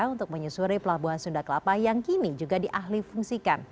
untuk menyusuri pelabuhan sunda kelapa yang kini juga diahli fungsikan